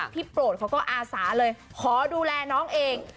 โปรดเขาก็อาสาเลยขอดูแลน้องเอง